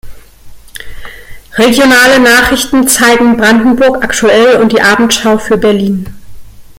Regionale Nachrichten zeigen Brandenburg aktuell und die Abendschau für Berlin.